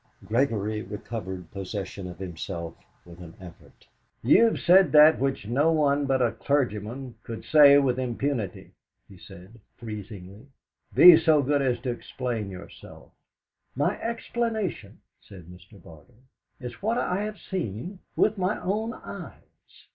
Gregory recovered possession of himself with an effort. "You have said that which no one but a clergyman could say with impunity," he said freezingly. "Be so good as to explain yourself." "My explanation," said Mr. Barter, "is what I have seen with my own eyes."